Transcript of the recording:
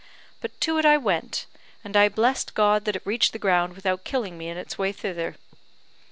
But to it I went; and I blessed God that it reached the ground without killing me in its way thither.